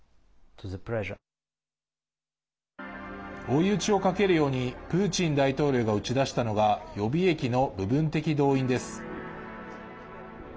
追い打ちをかけるようにプーチン大統領が打ち出したのが予備役の部分的動員です。